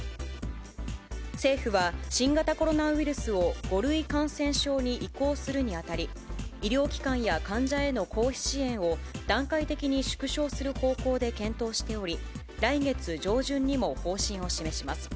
政府は新型コロナウイルスを５類感染症に移行するにあたり、医療機関や患者への公費支援を段階的に縮小する方向で検討しており、来月上旬にも方針を示します。